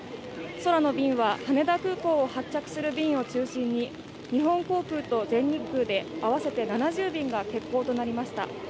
空の便は羽田空港を発着する中心に日本航空と全日空で合わせて７０便が欠航となりました。